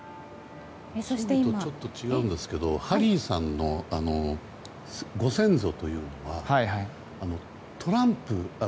ちょっと違うんですけどハリーさんのご先祖というのはトランプ。